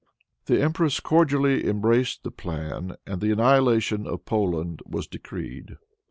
] The empress cordially embraced the plan, and the annihilation of Poland was decreed.